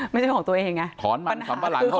ไม่ได้ของตัวเองอะปัญหาคือของคนอื่นเขา